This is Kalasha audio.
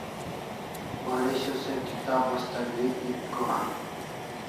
Waresho se kibat asta gri ek gohan